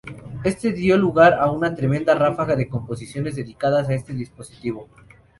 Esto dio lugar a una tremenda ráfaga de composiciones dedicadas a este dispositivo.